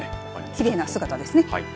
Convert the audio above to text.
きれいな姿ですね。